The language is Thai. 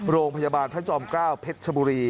โรงพยาบาลท่านจอมเกล้าเผ็ดชะบุรี